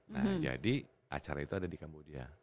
nah jadi acara itu ada di kambodia